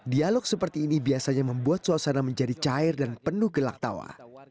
dialog seperti ini biasanya membuat suasana menjadi cair dan penuh gelak tawa